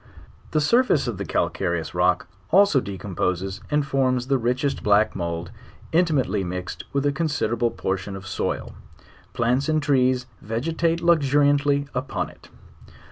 The surface of the calcare ous rock also decomposes and forms the richest black mould intimately mixed with a considerable portion of soil; plants and trees vegetate luxuriantly upon it.